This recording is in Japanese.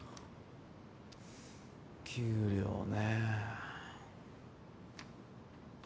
給料ね。